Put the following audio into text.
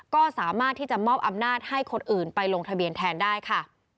ก็สามารถที่จะมอบอำนาจให้คนอื่นไปลงทะเบียนแทนได้ค่ะ